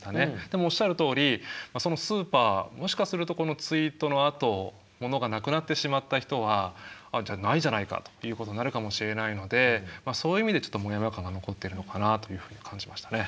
でもおっしゃるとおりそのスーパーもしかするとこのツイートのあとものがなくなってしまった人はじゃあないじゃないかということになるかもしれないのでそういう意味でちょっとモヤモヤ感が残っているのかなというふうに感じましたね。